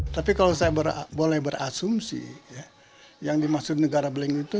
tapi kalau saya boleh berasumsi yang dimaksud negara blank itu